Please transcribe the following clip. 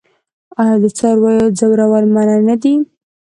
آیا د څارویو ځورول منع نه دي؟